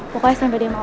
pokoknya sampai dia mau